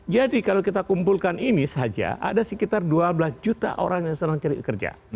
jadi kalau kita kumpulkan ini saja ada sekitar dua belas juta orang yang sedang cari kerja